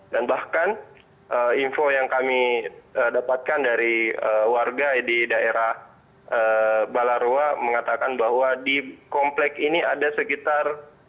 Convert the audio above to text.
dan bahkan info yang kami dapatkan dari warga di daerah balarua mengatakan bahwa di komplek ini ada sekitar